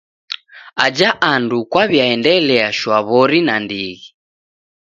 Aja andu kwaw'iaendelia shwaw'ori nandighi.